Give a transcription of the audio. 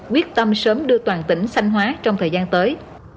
quyết tâm sớm đưa toàn tỉnh sanh hóa trong thời gian tới